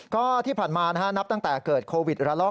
ก็ที่ผ่านมานะครับนับตั้งแต่เกิดโควิด๓